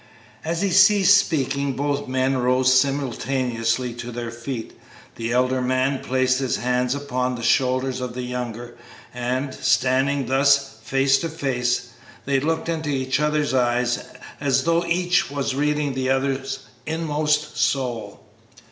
'" As he ceased speaking both men rose simultaneously to their feet. The elder man placed his hands upon the shoulders of the younger, and, standing thus face to face, they looked into each other's eyes as though each were reading the other's inmost soul.